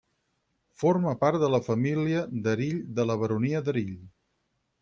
Forma part de la família d'Erill de la Baronia d'Erill.